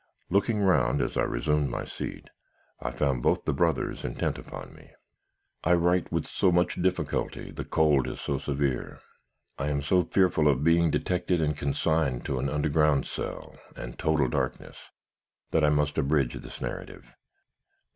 Looking round as I resumed my seat, I found both the brothers intent upon me. "I write with so much difficulty, the cold is so severe, I am so fearful of being detected and consigned to an underground cell and total darkness, that I must abridge this narrative.